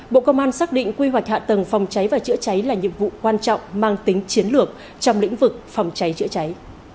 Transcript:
bộ công an xác định quy hoạch hạ tầng phòng cháy và chữa cháy là nhiệm vụ quan trọng mang tính chiến lược trong lĩnh vực phòng cháy chữa cháy